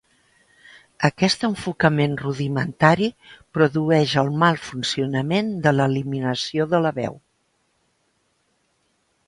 Aquest enfocament rudimentari produeix el mal funcionament de l'eliminació de la veu.